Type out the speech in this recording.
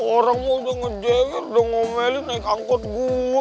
orang udah ngejengir udah ngomelin naik angkot gue